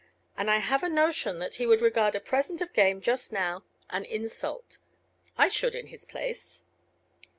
And I have a notion that he would regard a present of game just now as an insult. I should, in his place."